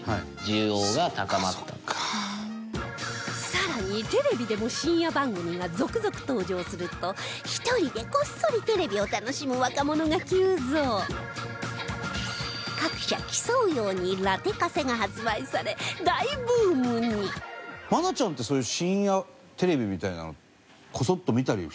更に、テレビでも深夜番組が続々登場すると１人で、こっそりテレビを楽しむ若者が急増各社、競うようにラテカセが発売され大ブームに伊達：愛菜ちゃんってそういう。